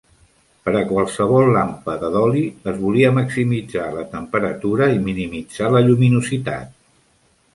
Per a qualsevol làmpada d'oli, es volia maximitzar la temperatura i minimitzar la lluminositat.